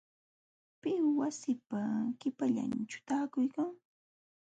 ¿Pim wasiipa qipallanćhu taakuykan.?